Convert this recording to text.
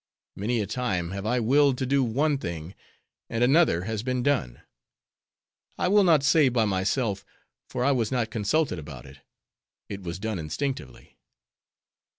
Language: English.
Many a time, have I willed to do one thing, and another has been done. I will not say by myself, for I was not consulted about it; it was done instinctively.